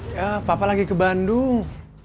ya papa lagi ke bandung